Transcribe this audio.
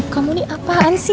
kamu ini apaan sih